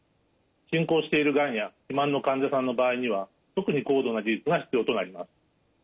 進行しているがんや肥満の患者さんの場合には特に高度な技術が必要となります。